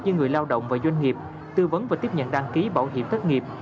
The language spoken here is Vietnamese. cho người lao động và doanh nghiệp tư vấn và tiếp nhận đăng ký bảo hiểm thất nghiệp